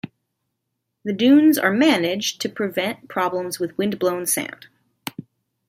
The dunes are managed to prevent problems with wind-blown sand.